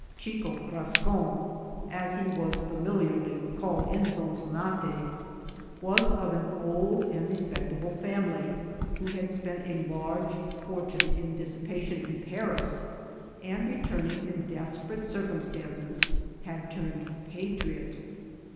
Chico Bascon, as he was familiarly called in Zonzonate, vras of an old and respectable family, who had spent a large fortune in dissipation in Paris, and returning in desperate circum stances, had turned patriot.